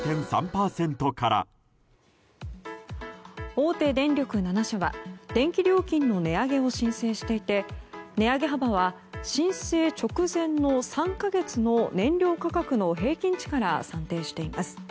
大手電力７社は電気料金の値上げを申請していて値上げ幅は申請直前の３か月の燃料価格の平均値から算定しています。